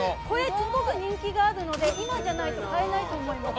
すごく人気があるので今じゃないと買えないと思います。